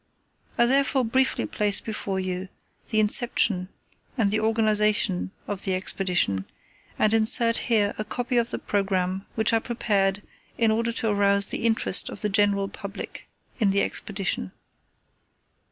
I therefore briefly place before you the inception and organization of the Expedition, and insert here the copy of the programme which I prepared in order to arouse the interest of the general public in the Expedition.